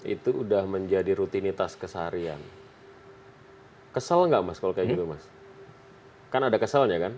itu udah menjadi rutinitas keseharian kesel nggak mas kalau kayak juga mas kan ada keselnya kan